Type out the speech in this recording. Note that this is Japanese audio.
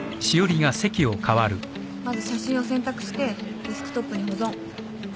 まず写真を選択してデスクトップに保存。